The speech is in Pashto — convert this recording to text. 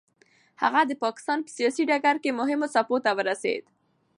هغه د پاکستان په سیاسي ډګر کې مهمو څوکیو ته ورسېد.